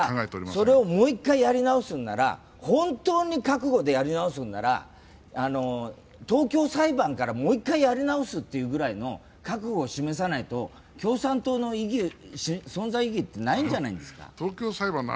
それをもう一回本当の覚悟でやり直すなら、東京裁判からもう一回やり直すくらいの覚悟を示さないと共産党の存在意義ってないんじゃないですか。